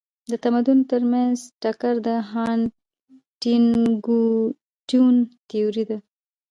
د تمدنونو ترمنځ ټکر د هانټینګټون تيوري ده.